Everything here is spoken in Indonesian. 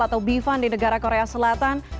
atau bifan di negara korea selatan